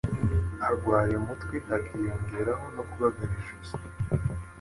arwaye umutwe hakiyongeraho no kugagara ijosi